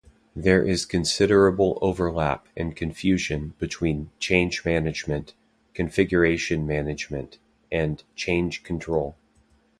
There is considerable overlap and confusion between change management, configuration management and change control.